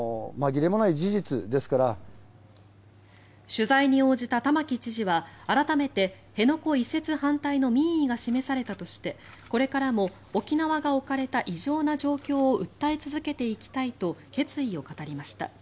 取材に応じた玉城知事は改めて辺野古移設反対の民意が示されたとしてこれからも沖縄が置かれた異常な状況を訴え続けていきたいと決意を語りました。